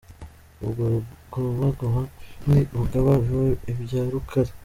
Ubwo Rugobagoba na Bugaba biba ibya Rukali.